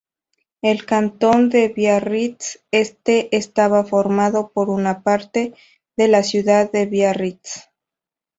El cantón de Biarritz-Este estaba formado por una parte de la ciudad de Biarritz.